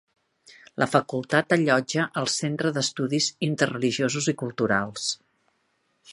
La facultat allotja el Centre d'Estudis Interreligiosos i Culturals.